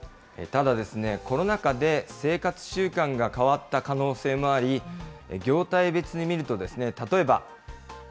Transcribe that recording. ただ、コロナ禍で生活習慣が変わった可能性もあり、業態別に見ると、例えば。